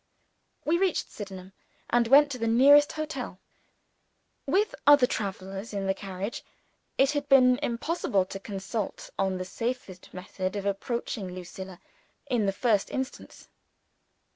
We reached Sydenham, and went to the nearest hotel. On the railway with other travelers in the carriage it had been impossible to consult on the safest method of approaching Lucilla, in the first instance.